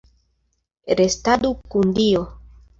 Restadu kun Dio!